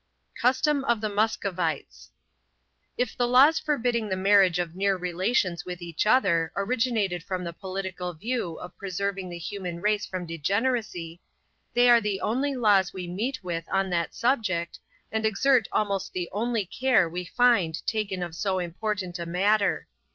CUSTOM OF THE MUSCOVITES. If the laws forbidding the marriage of near relations with each other, originated from the political view of preserving the human race from degeneracy, they are the only laws we meet with on that subject, and exert almost the only care we find taken of so important a matter.